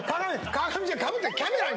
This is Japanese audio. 川上ちゃん、かぶってるキャメラに。